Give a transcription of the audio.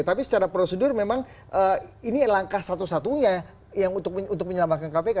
tapi secara prosedur memang ini langkah satu satunya yang untuk menyelamatkan kpk